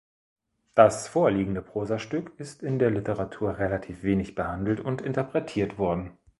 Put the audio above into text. Das vorliegende Prosastück ist in der Literatur relativ wenig behandelt und interpretiert worden.